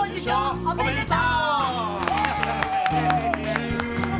おめでとう。